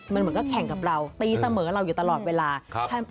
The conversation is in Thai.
มันเหมือนก็แข่งกับเราตีเสมอเราอยู่ตลอดเวลา